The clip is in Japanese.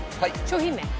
商品名？